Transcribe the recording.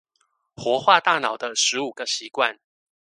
活化大腦的十五個習慣